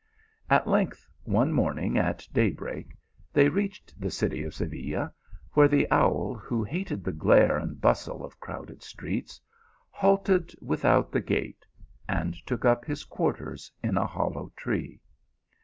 At length, one morning at day break they reached the city of Seville, where the owl, who hated the glare and bustle of crowded streets, halted without the gate, and took up his quarters in a hollow tree.